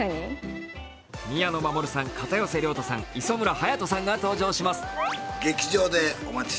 宮野真守さん、片寄涼太さん、磯村勇斗さんが登場します。